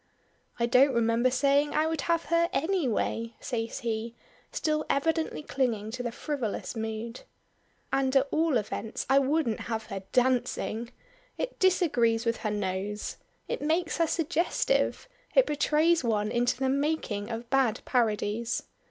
"I don't remember saying I would have her any way," says he, still evidently clinging to the frivolous mood. "And at all events I wouldn't have her dancing. It disagrees with her nose. It makes her suggestive; it betrays one into the making of bad parodies.